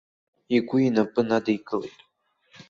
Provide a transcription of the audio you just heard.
Игәы инапы надикылеит.